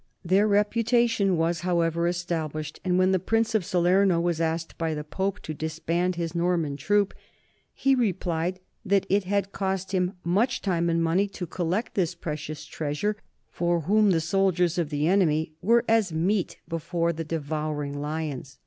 Their reputation was, however, established, and when the prince of Salerno was asked by the Pope to disband his Norman troop, he replied that it had cost him much time and money to collect this precious treasure, for whom the soldiers of the enemy were "as meat before the devouring lions."